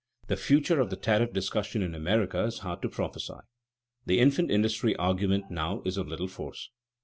The future of the tariff discussion in America is hard to prophesy. The infant industry argument now is of little force.